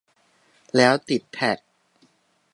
แล้วติดแท็ก